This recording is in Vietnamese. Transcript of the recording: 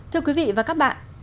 thưa quý vị và các bạn